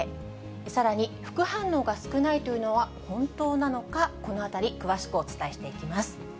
さらに副反応が少ないというのは本当なのか、このあたり、詳しくお伝えしていきます。